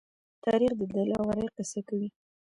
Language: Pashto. تاریخ د دلاورۍ قصه کوي.